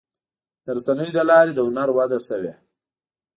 د رسنیو له لارې د هنر وده شوې.